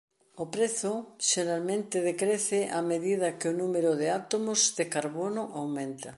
O prezo xeralmente decrece a medida que o número de átomos de carbono aumenta.